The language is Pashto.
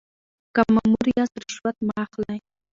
که مامور یاست رشوت مه اخلئ.